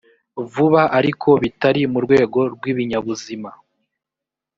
vuba ariko bitari mu rwego rw ibinyabuzima